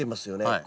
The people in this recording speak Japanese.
はい。